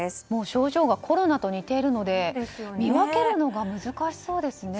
症状がコロナと似ているので見分けるのが難しそうですね。